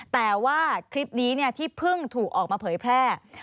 แต่ว่าคลิปนี้ที่เพิ่งถูกออกมาเผยแพร่